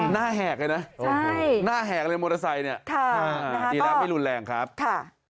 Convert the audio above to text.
หน้าแหกเลยนะหน้าแหกในมอเตอร์ไซค์นี่อีรักไม่รุนแรงครับค่ะ